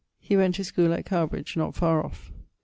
He went to schoole at Cowbridge, not far off.